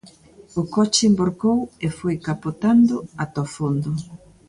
O coche envorcou e foi capotando ata o fondo.